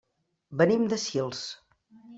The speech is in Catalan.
Venim de Sils.